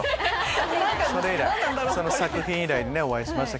その作品以来にお会いしました。